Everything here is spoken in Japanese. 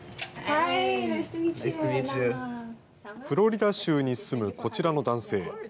フロリダ州に住むこちらの男性。